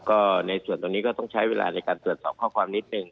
ก็ในส่วนตรงนี้ก็ต้องใช้เวลาในการตรวจสอบข้อความนิดนึง